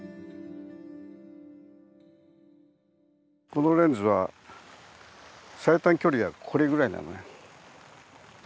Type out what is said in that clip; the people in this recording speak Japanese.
このレンズは最短距離がこれぐらいなのね。